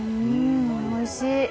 うん、おいしい。